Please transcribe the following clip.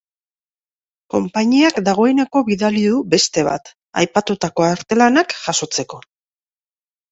Konpainiak dagoeneko bidali du beste bat, aipatutako artelanak jasotzeko.